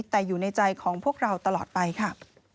แต่อยู่ในใจของพวกเราตลอดไปค่ะ